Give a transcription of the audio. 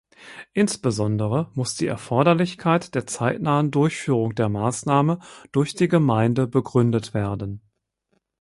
Insbesondere muss die Erforderlichkeit der zeitnahen Durchführung der Maßnahme durch die Gemeinde begründet werden.